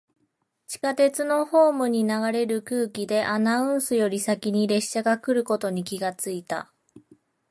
地下鉄のホームに流れる空気で、アナウンスより先に列車が来ることに気がついた。